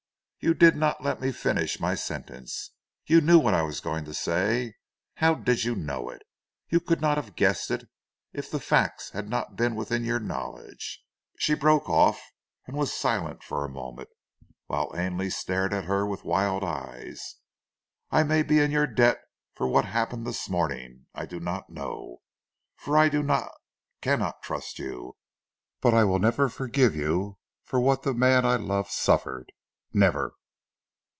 You did not let me finish my sentence. You knew what I was going to say. How did you know it? You could not have guessed it if the facts had not been within your knowledge." She broke off and was silent for a moment whilst Ainley stared at her with wild eyes. "I may be in your debt for what happened this morning. I do not know, for I do not, cannot trust you; but I will never forgive you for what the man I loved suffered. Never!"